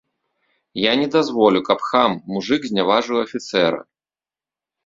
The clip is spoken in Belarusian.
Я не дазволю, каб хам, мужык зняважыў афіцэра!